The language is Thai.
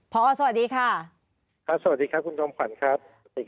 พอสวัสดีค่ะครับสวัสดีครับคุณจอมขวัญครับ